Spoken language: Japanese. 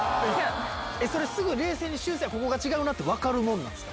それ、すぐ、冷静に修正、ここが違うなって分かるもんですか？